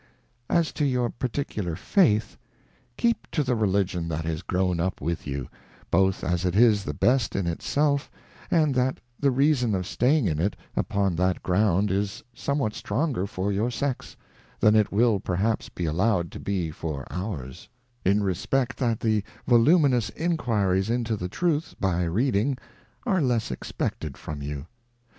As to your particular Faith, keep to the Religion that is grown up with you, both as it is the best in it self, and that the reason of staying in it upon that Ground is somewhat stronger for your Sex, than it will perhaps be allow 'd to be for ours ; in respect that the Voluminous enquiries into the Truth, by Reading, are less expected from you.